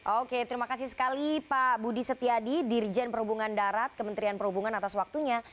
oke terima kasih sekali pak budi setiadi dirjen perhubungan darat kementerian perhubungan atas waktunya